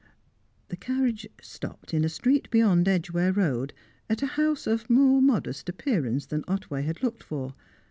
The carriage stopped in a street beyond Edgware Road, at a house of more modest appearance than Otway had looked for.